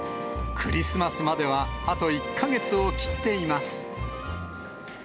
クリスマスまではあと１か月を切っています。